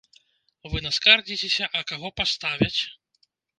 Вы наскардзіцеся, а каго паставяць?